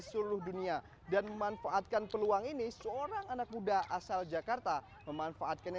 seluruh dunia dan memanfaatkan peluang ini seorang anak muda asal jakarta memanfaatkannya